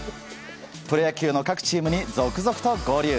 プロ野球の各チームに続々と合流。